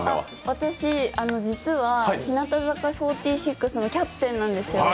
私、実は日向坂４６のキャプテンなんです。